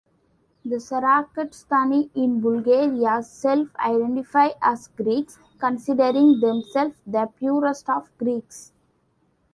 The Sarakatsani in Bulgaria self-identify as Greeks, considering themselves the purest of Greeks.